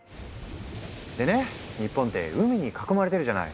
でね日本って海に囲まれてるじゃない？